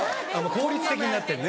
効率的になってるね。